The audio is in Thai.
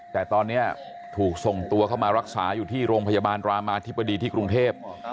แต่ตอนนี้ถูกส่งตัวเข้ามารักษาอยู่ที่โรงพยาบาลรามาธิบดีที่กรุงเทพ